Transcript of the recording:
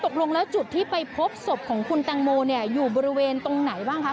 ตกลงแล้วจุดที่ไปพบศพของคุณแตงโมเนี่ยอยู่บริเวณตรงไหนบ้างคะ